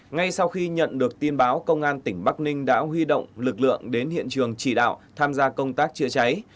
ngay sau khi nhận được tin báo công an tỉnh bắc ninh đã huy động lực lượng đến hiện trường chỉ đạo tham gia công tác chữa cháy